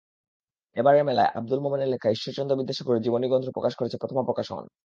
এবারের মেলায় আবুল মোমেনের লেখা ঈশ্বরচন্দ্র বিদ্যাসাগরের জীবনীগ্রন্থ প্রকাশ করেছে প্রথমা প্রকাশন।